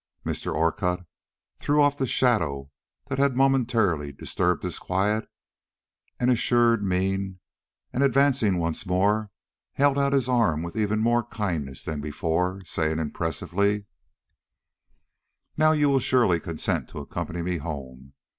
Mr. Orcutt threw off the shadow that had momentarily disturbed his quiet and assured mien, and advancing once more, held out his arm with even more kindness than before, saying impressively: "Now you will surely consent to accompany me home.